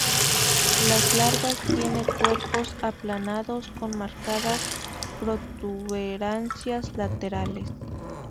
Las larvas tiene cuerpos aplanados con marcadas protuberancias laterales.